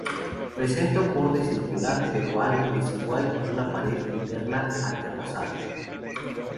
Presenta un borde circular pero algo desigual y una pared interna aterrazada.